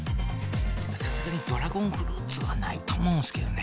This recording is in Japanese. さすがにドラゴンフルーツはないと思うんですけどね。